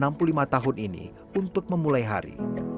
yang menemani pria enam puluh lima tahun ini untuk memulai hari